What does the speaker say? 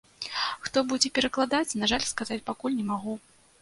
Хто будзе перакладаць, на жаль сказаць пакуль не магу.